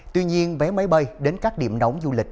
tuy nhiên vé máy bay đến các điểm nóng du lịch